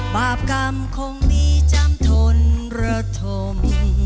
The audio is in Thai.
บาปกรรมคงมีจำทนระทม